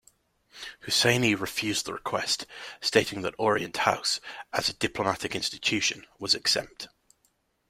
Husseini refused the request, stating that Orient House, as a diplomatic institution, was exempt.